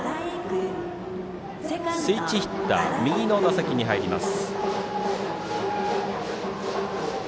スイッチヒッター右の打席に入ります。